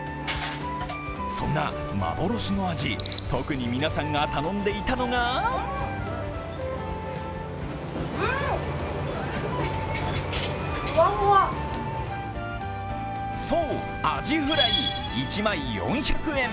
そんな幻のアジ、特に皆さんが頼んでいたのがそう、アジフライ１枚４００円。